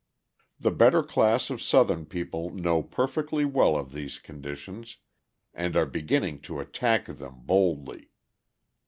The better class of Southern people know perfectly well of these conditions and are beginning to attack them boldly.